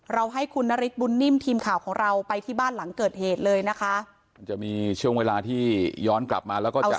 ให้คุณนฤทธบุญนิ่มทีมข่าวของเราไปที่บ้านหลังเกิดเหตุเลยนะคะมันจะมีช่วงเวลาที่ย้อนกลับมาแล้วก็จะ